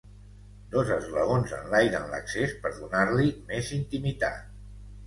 Dos esglaons enlairen l'accés per donar-li més intimitat.